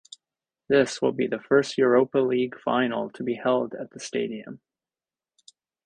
This will be the first Europa League final to be held at the stadium.